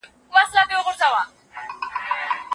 عامه ملاتړ د حکومتونو د پايښت اصلي لامل دی.